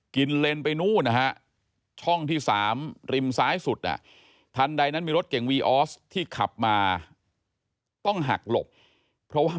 กินเลนไปนู้นนะฮะ